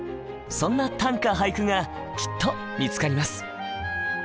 そんな短歌・俳句がきっと見つかります。